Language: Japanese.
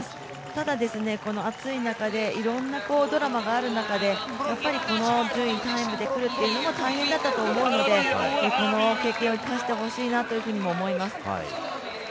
ただ、暑い中でいろんなドラマがある中でやっぱりこの順位、タイムで来るっていうのも大変だったと思うので、この経験を生かしてほしいなというふうにも思います。